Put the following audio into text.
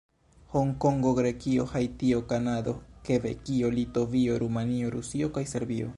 Honkongo, Grekio, Haitio, Kanado, Kebekio, Litovio, Rumanio, Rusio kaj Serbio.